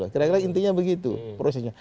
kira kira intinya begitu prosesnya